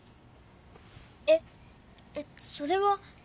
ええっそれは。